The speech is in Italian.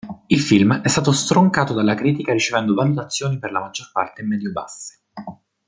Il film è stato stroncato dalla critica ricevendo valutazioni per la maggior parte medio-basse.